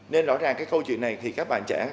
nên rõ ràng cái câu chuyện này thì các bạn trẻ